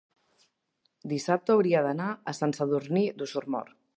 dissabte hauria d'anar a Sant Sadurní d'Osormort.